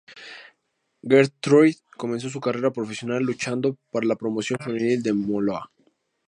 Gertrude comenzó su carrera profesional luchando para la promoción femenil de Moolah.